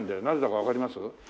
なぜだかわかります？